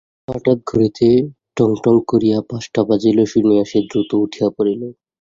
হঠাৎ ঘড়িতে টং টং করিয়া পাঁচটা বাজিল শুনিয়াই সে দ্রুত উঠিয়া পড়িল।